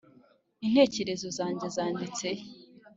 intekerezo zange zanditse he?